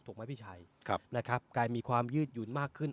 ไหมพี่ชัยนะครับกลายมีความยืดหยุ่นมากขึ้น